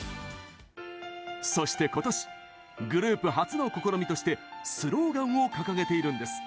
そして今年グループ初の試みとしてスローガンを掲げているんです。